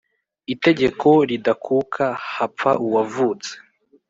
itegeko ridakuka: hapfa uwavutse